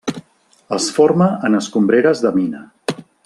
Es forma en escombreres de mina.